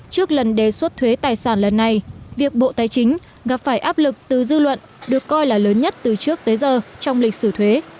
trước lần đề xuất thuế tài sản lần này việc bộ tài chính gặp phải áp lực từ dư luận được coi là lớn nhất từ trước tới giờ trong lịch sử thuế